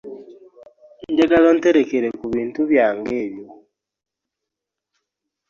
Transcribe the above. Njagala onterekere ku bintu byange ebyo.